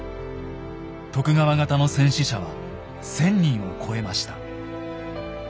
徳川方の戦死者は１，０００人を超えました。